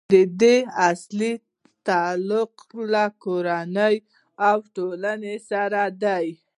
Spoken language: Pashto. د دې اصل تعلق له کورنۍ او ټولنې سره دی.